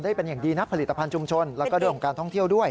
ได้เป็นอย่างดีนะผลิตภัณฑ์ชุมชนแล้วก็เรื่องของการท่องเที่ยวด้วย